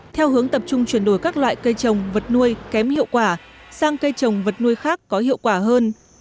theo hướng tập trung chuyển đổi các loại cây trồng vật nuôi kém hiệu quả sang cây trồng vật nuôi khác có hiệu quả hơn